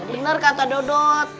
benar kata dodot